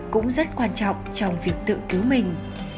cũng rất quan trọng trong việc tự cứu mình